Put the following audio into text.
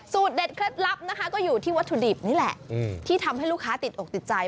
เด็ดเคล็ดลับนะคะก็อยู่ที่วัตถุดิบนี่แหละที่ทำให้ลูกค้าติดอกติดใจ